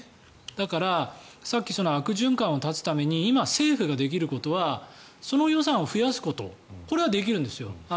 だから、さっき悪循環を断つために今、政府ができることはその予算を増やすことこれはできるんですよ。